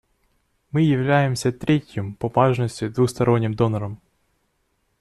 Мы являемся третьим по важности двусторонним донором.